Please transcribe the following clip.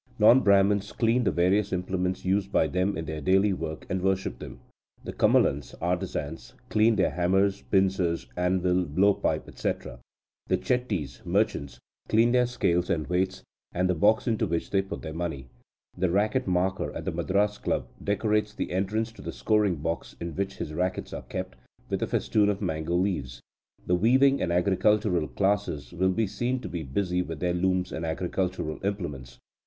Non Brahmans clean the various implements used by them in their daily work, and worship them. The Kammalans (artisans) clean their hammers, pincers, anvil, blowpipe, etc.; the Chettis (merchants) clean their scales and weights, and the box into which they put their money. The racket marker at the Madras Club decorates the entrance to the scoring box in which his rackets are kept, with a festoon of mango leaves. The weaving and agricultural classes will be seen to be busy with their looms and agricultural implements.